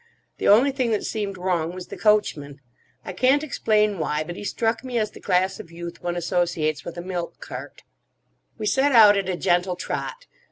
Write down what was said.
The only thing that seemed wrong was the coachman. I can't explain why, but he struck me as the class of youth one associates with a milk cart. We set out at a gentle trot.